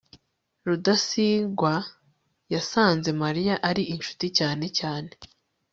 rudasingwa yasanze mariya ari inshuti cyane cyane